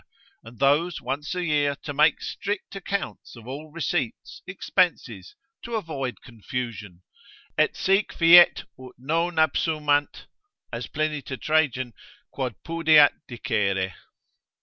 and those once a year to make strict accounts of all receipts, expenses, to avoid confusion, et sic fiet ut non absumant (as Pliny to Trajan,) quad pudeat dicere.